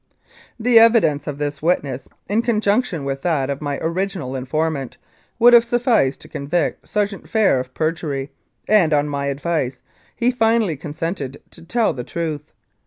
The evidence of this witness, in conjunction with that of my original informant, would have sufficed to convict Sergeant Phair of perjury, and, on my advice, he finally consented to tell the truth.